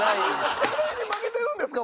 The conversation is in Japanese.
これに負けてるんですか？